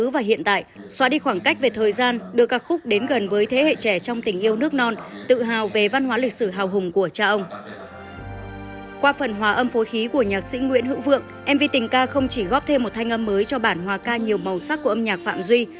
vì tình ca không chỉ góp thêm một thanh âm mới cho bản hòa ca nhiều màu sắc của âm nhạc phạm duy